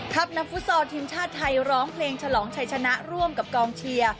นักฟุตซอลทีมชาติไทยร้องเพลงฉลองชัยชนะร่วมกับกองเชียร์